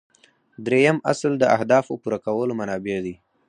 دریم اصل د اهدافو پوره کولو منابع دي.